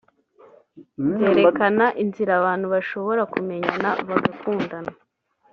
Byerekana inzira abantu bashobora kumenyana bagakundana